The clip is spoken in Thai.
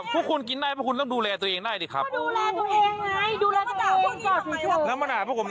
พี่คุณ